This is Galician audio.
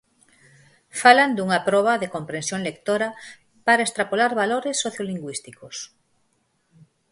Falan dunha proba de comprensión lectora para extrapolar valores sociolingüísticos.